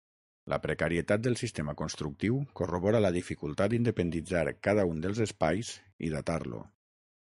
La precarietat del sistema constructiu corrobora la dificultat d'independitzar cada un dels espais i datar-lo.